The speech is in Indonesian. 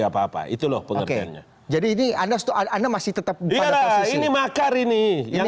apa apa itu loh pengertiannya jadi ini ada soal anda masih tetap diarah ini makar ini yang